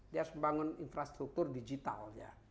dia harus membangun infrastruktur digital ya